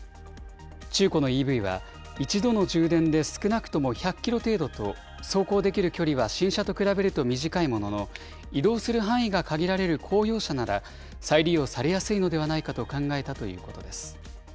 中古のＥＶは、一度の充電で少なくとも１００キロ程度と、走行できる距離は新車と比べると短いものの、移動する範囲が限られる公用車なら再利用されやすいのではないかと考えたということです。